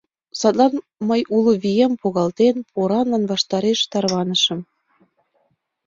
Садлан мый, уло вием погалтен, поранлан ваштареш тарванышым.